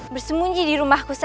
bersemunyi di rumahku saat ini